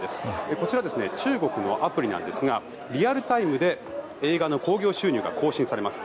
こちら、中国のアプリなんですがリアルタイムで映画の興行収入が更新されます。